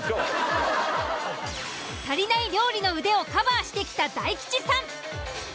足りない料理の腕をカバーしてきた大吉さん。